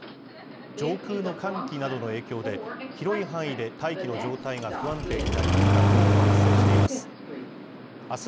上空の寒気などの影響で、広い範囲で大気の状態が不安定になり、落雷も発生しています。